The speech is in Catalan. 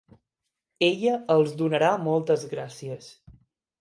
Ella els donarà moltes gràcies.